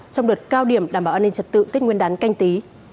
trong đợt cao điểm đảm bảo an ninh trật tự tích nguyên đán canh tí